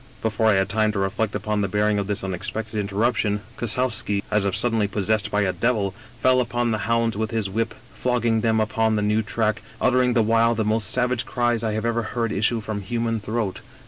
" Before I had time to reflect upon the bearing of this unexpected interruption, Kossowski, as if suddenly pos sessed by a devil, fell upon the hounds with his whip, flog ging them upon the new track, uttering the while the most savage cries I have ever heard issue from human throat.